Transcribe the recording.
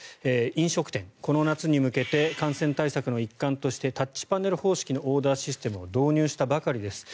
飲食店、この夏に向けて感染対策の一環としてタッチパネル方式のオーダーシステムを導入したばかりです。